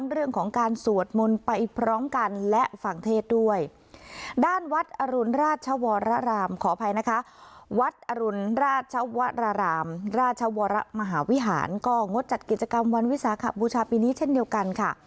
ราชวรรามราชวรมหาวิหารก็งดจัดกิจกรรมวันวิสาขบูชาปีนี้เช่นเดียวกันค่ะ